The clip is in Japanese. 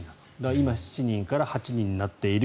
今、７人から８人になっている